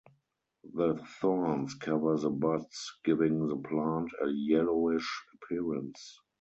The thorns cover the buds, giving the plant a yellowish appearance.